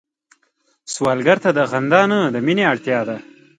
سوالګر ته د خندا نه، د مينه اړتيا ده